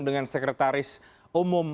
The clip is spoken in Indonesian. dengan sekretaris umum